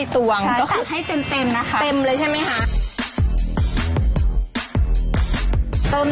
ต้องบอกว่าแป้งสูตรพิเศษนี้แหละครับ